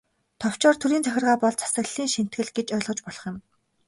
Товчоор, төрийн захиргаа болон засаглалын шинэтгэл гэж ойлгож болох юм.